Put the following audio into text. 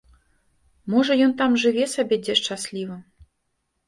Можа, ён там жыве сабе дзе шчасліва.